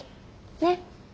ねっ。